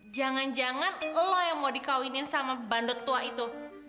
jangan jangan lo yang mau dikawinin sama bandut tua itu